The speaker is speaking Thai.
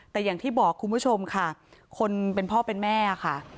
แต่อย่างที่บอกคุณผู้ชมค่ะคนเป็นพ่อเป็นแม่ค่ะ